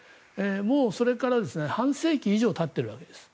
もうそれから半世紀以上たっているわけです。